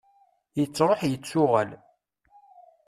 yettruḥ yettuɣal